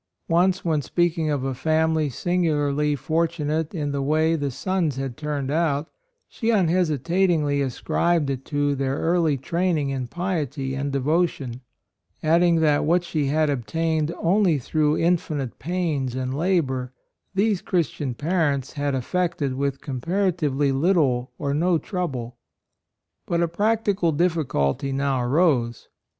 Once, when speaking of a family singularly fortunate in the way the sons had turned out, she unhesitatingly ascribed it to their early training in piety and devotion ; adding that what she AND MOTHER. 35 had obtained only through in finite pains and labor, these Christian parents had effected with comparatively little or no trouble. But a practical difficulty now arose.